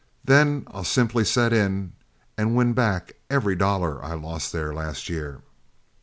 Then I'll simply set in and win back every dollar I lost there last year.